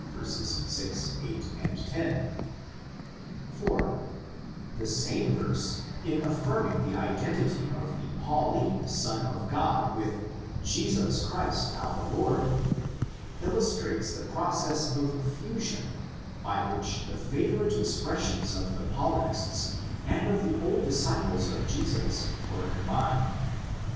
6, 8, 10). (4) The same verse, in affirming the identity of the Pauline '"' Son of God "' with '' Jesus Christ, our Lord," illustrates the process of fusion by which the favourite expressions of the Paulinists and of the old disciples of Jesus were combined.